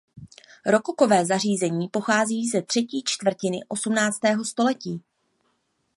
Rokokové zařízení pochází ze třetí čtvrtiny osmnáctého století.